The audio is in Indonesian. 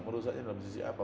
merusaknya dalam sisi apa